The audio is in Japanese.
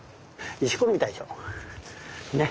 石ころみたいでしょ。ね？